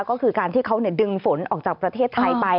ก็คือการที่เขาดึงฝนออกจากประเทศไทยไป